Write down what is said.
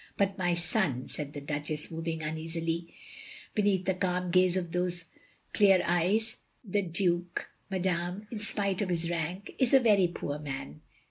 "But my son —" said the Duchess, moving tineasily beneath the cahn gaze of those clear eyes, the Duke, madame — ^in spite of his rank — ^is a very poor man.